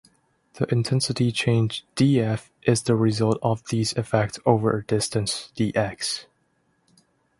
The intensity change "dF" is the result of these effects over a distance "dx".